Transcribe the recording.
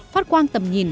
phát quan tầm nhìn